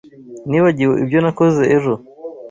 Nibagiwe ibyo nakoze ejo.